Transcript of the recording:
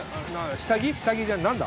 下着何だ？